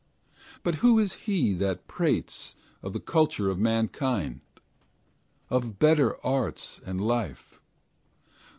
But who is he that prates Of the culture of mankind, Of better arts and life?